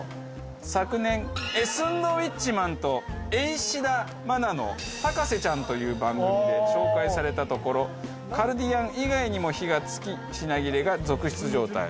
昨年ＳンドウィッチマンとＡし田愛菜の『博士ちゃん』という番組で紹介されたところカルディアン以外にも火が付き品切れが続出状態。